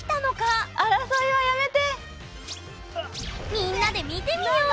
みんなで見てみよう！